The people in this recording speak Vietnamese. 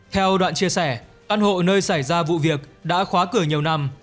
theo đoạn chia sẻ căn hộ nơi xảy ra vụ việc đã khóa cửa nhiều năm